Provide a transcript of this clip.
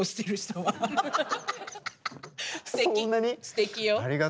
すてきよ。